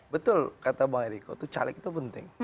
betul kata bang eriko itu caleg itu penting